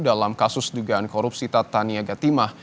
dalam kasus dugaan korupsi tad tania gatimah